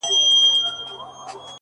اوس په لمانځه کي دعا نه کوم ښېرا کومه ـ